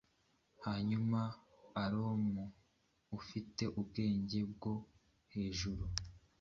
Hanyuma alomo, ufite ubwenge bwo hejuru,